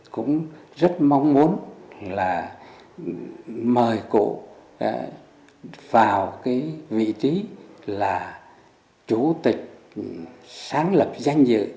cũng rất mong muốn là mời cụ vào cái vị trí là chủ tịch sáng lập danh dự